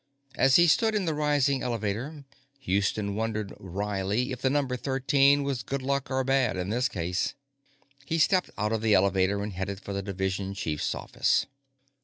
As he stood in the rising elevator, Houston wondered wryly if the number 13 was good luck or bad in this case. He stepped out of the elevator and headed for the Division Chief's office.